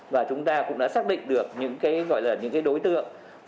và chúng ta cũng đã xác định được những đối tượng